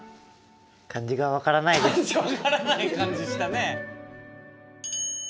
漢字分からない感じしたね。